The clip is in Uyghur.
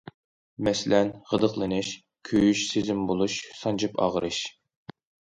مەسىلەن، غىدىقلىنىش، كۆيۈش سېزىمى بولۇش، سانجىپ ئاغرىش.